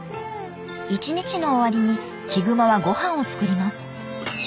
一日の終わりにヒグマはごはんを作ります